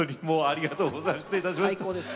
ありがとうございます。